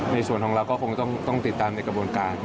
ในส่วนของเราก็คงต้องติดตามในกระบวนการ